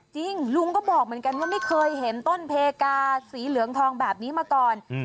จริงลุงก็บอกเหมือนกันว่าไม่เคยเห็นต้นเพกาสีเหลืองทองแบบนี้มาก่อน